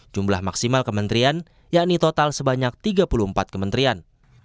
jumlah maksimal kementerian yakni total sebanyak tiga puluh empat kementerian